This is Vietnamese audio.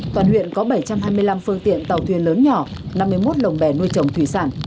toàn huyện có bảy trăm hai mươi năm phương tiện tàu thuyền lớn nhỏ năm mươi một lồng bè nuôi trồng thủy sản